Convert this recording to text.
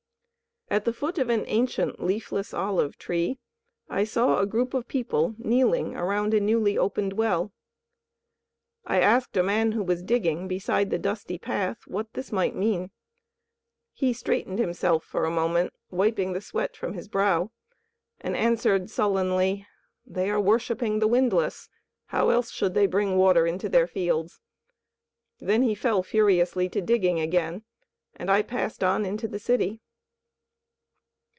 At the foot of an ancient, leafless olive tree I saw a group of people kneeling around a newly opened well. I asked a man who was digging beside the dusty path what this might mean. He straightened himself for a moment, wiping the sweat from his brow, and answered, sullenly, "They are worshipping the windlass: how else should they bring water into their fields?" Then he fell furiously to digging again, and I passed on into the city.